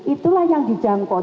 itulah yang dijangkau